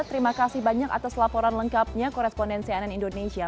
terima kasih banyak atas laporan lengkapnya korespondensi ann indonesia